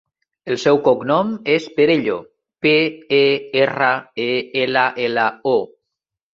El seu cognom és Perello: pe, e, erra, e, ela, ela, o.